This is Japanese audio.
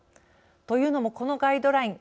というのも、このガイドライン。